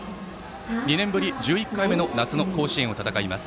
２年ぶり１１回目の夏の甲子園を戦います